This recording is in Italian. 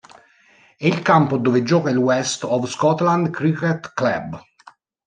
È il campo dove gioca il West of Scotland Cricket Club.